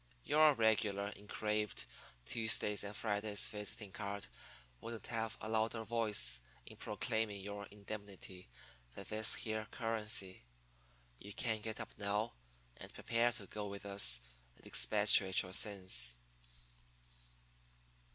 'Your regular engraved Tuesdays and Fridays visiting card wouldn't have a louder voice in proclaiming your indemnity than this here currency. You can get up now and prepare to go with us and expatriate your sins.'